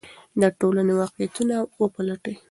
د ټولنې واقعیتونه وپلټئ.